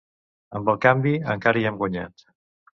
Amb el canvi, encara hi hem guanyat.